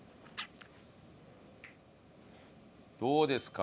どうですか？